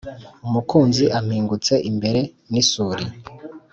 umukinzi ampingutse imbere n’isuri